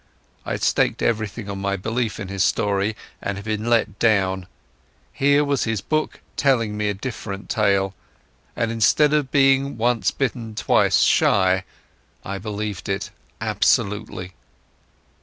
I had staked everything on my belief in his story, and had been let down; here was his book telling me a different tale, and instead of being once bitten twice shy, I believed it absolutely.